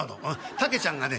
竹ちゃんがね